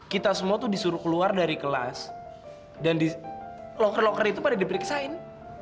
kita semua tuh disuruh keluar dari kelas dan loker loker itu pada diperiksain